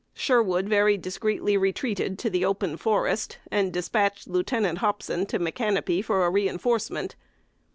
Sherwood very discreetly retreated to the open forest, and dispatched Lieutenant Hopson to Micanopy for a reinforcement.